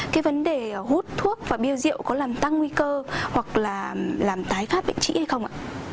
cái vấn đề hút thuốc và bia rượu có làm tăng nguy cơ hoặc là làm tái phát bệnh trĩ hay không ạ